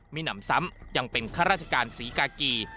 มีหนำซ้ำยังเป็นข้าราชการศรีกากี